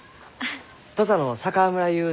土佐の佐川村ゆう